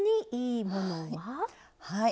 はい。